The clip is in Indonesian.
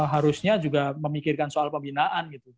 harusnya juga memikirkan soal pembinaan gitu